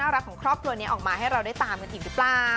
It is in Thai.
น่ารักน่ารักของครอบครัวนี้ออกมาให้เราได้ตามกันถึงรึเปล่า